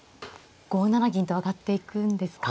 ５七銀と上がっていくんですか。